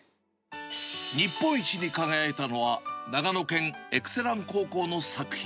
日本一に輝いたのは、長野県、エクセラン高校の作品。